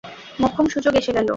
মোক্ষম সুযোগ এসে গেল।